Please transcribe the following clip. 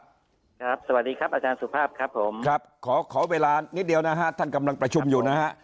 สวัสดีครับอาจารย์สุภาพครับผมครับขอขอเวลานิดเดียวนะฮะท่านกำลังประชุมอยู่นะฮะ